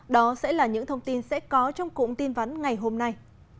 đó sẽ là những thông tin sẽ có trong cụm tin vắn ngày hôm nay